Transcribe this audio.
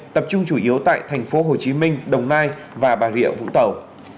tập trung chủ yếu tại thành phố hồ chí minh đồng nai và bà rịa vũng tàu